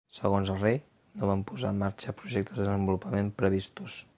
Segons el rei, no van posar en marxa projectes de desenvolupament previstos.